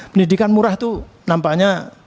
pendidikan murah itu nampaknya